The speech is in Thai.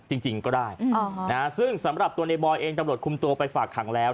จริงก็ได้ซึ่งสำหรับตัวในบอยเองตำรวจคุมตัวไปฝากขังแล้ว